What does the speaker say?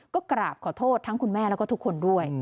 ก็กราบขอโทษทั้งคุณแม่แล้วก็ทุกคนด้วย